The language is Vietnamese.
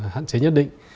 hạn chế nhất định